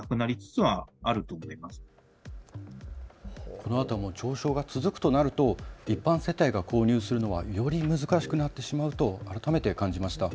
このあとも上昇が続くとなると一般世帯が購入するのはより難しくなってしまうと改めて感じました。